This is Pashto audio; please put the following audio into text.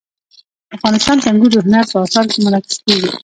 افغانستان کې انګور د هنر په اثار کې منعکس کېږي.